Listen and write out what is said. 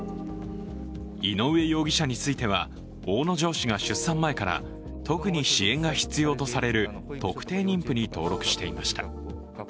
井上容疑者については、大野城市が出産前から特に支援が必要とされる特定妊婦に登録していました。